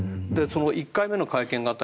１回目の会見があった